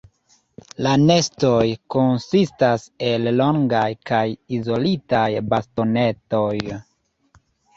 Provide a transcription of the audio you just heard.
La nestoj konsistas el longaj kaj izolitaj bastonetoj.